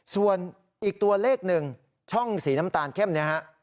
ส่วนอีกตัวเลขหนึ่งช่องสีน้ำตาลเข้มเนี่ยฮะ